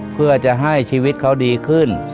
เพื่อจะให้ชีวิตเขาดีขึ้น